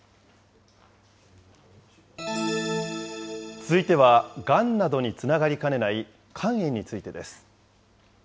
続いてはがんなどにつながりかねない肝炎についてです。